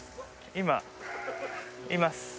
今います。